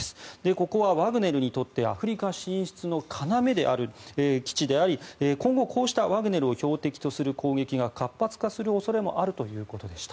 ここはワグネルにとってアフリカ進出の要である基地であり今後、こうしたワグネルを標的とする攻撃が活発化する恐れもあるということでした。